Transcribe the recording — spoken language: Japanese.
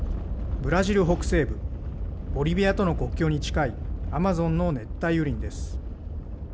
ブラジル北西部ボリビアとの国境に近いアマゾンの熱帯雨林です。